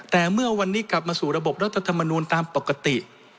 แต่เมื่อวันนี้กลับมาสู่ระบบรัฐธรรมนูลตามปกติ